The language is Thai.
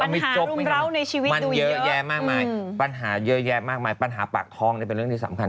ปัญหารุมเบราในชีวิตดูเยอะมันเยอะแยะมากมายปัญหาปากท้องเป็นเรื่องที่สำคัญ